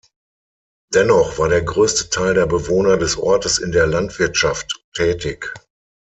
Dennoch war der größte Teil der Bewohner des Ortes in der Landwirtschaft tätig.